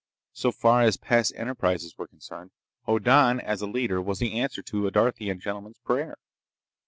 So far as past enterprises were concerned, Hoddan as a leader was the answer to a Darthian gentleman's prayer.